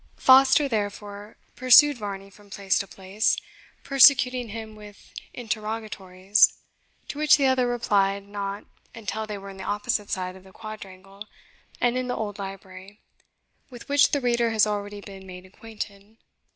Foster, therefore, pursued Varney from place to place, persecuting him with interrogatories, to which the other replied not, until they were in the opposite side of the quadrangle, and in the old library, with which the reader has already been made acquainted.